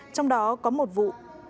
trong đó có một vụ